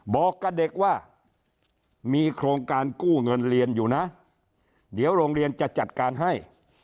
บอกกับเด็กว่ามีโครงการกู้เงินเรียนอยู่นะเดี๋ยวโรงเรียนจะจัดการให้